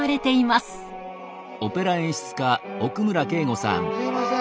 すいません。